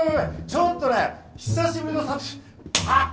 ちょっとね久しぶりのあっ！